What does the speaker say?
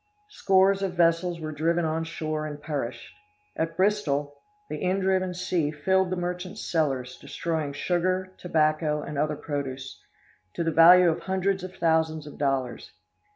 Scores of vessels were driven on shore and perished. At Bristol, the in driven sea filled the merchants' cellars, destroying sugar, tobacco, and other produce, to the value of hundreds of thousands of dollars.